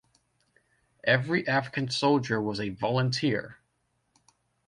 Every African Soldier was a volunteer.